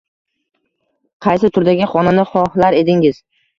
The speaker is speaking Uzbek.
Qaysi turdagi xonani xohlar edingiz?